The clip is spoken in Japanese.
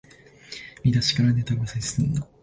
見だしからネタバレすんな